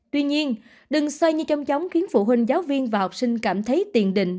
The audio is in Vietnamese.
tuy nhiên đừng xoay như trông chóng khiến phụ huynh giáo viên và học sinh cảm thấy tiền định